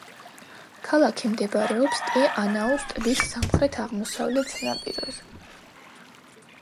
ქალაქი მდებარეობს ტე-ანაუს ტბის სამხრეთ-აღმოსავლეთ სანაპიროზე.